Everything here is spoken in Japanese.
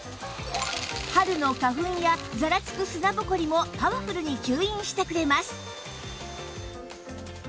春の花粉やざらつく砂ぼこりもパワフルに吸引してくれます